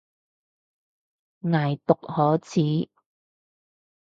偽毒可恥